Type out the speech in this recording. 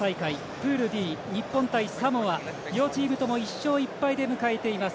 プールＤ、日本対サモア両チームとも１勝１敗で迎えています